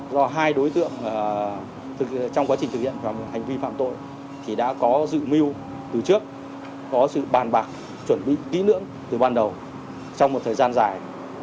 do hai đối tượng trong quá trình thực hiện và hành vi phạm tội thì đã có dự mưu từ trước có sự bàn bạc chuẩn bị kỹ lưỡng từ ban đầu trong một thời gian dài